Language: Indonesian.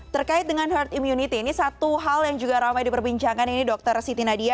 terkait dengan herd immunity ini satu hal yang juga ramai diperbincangkan ini dokter siti nadia